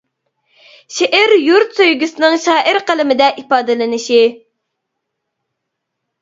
شېئىر يۇرت سۆيگۈسىنىڭ شائىر قەلىمىدە ئىپادىلىنىشى.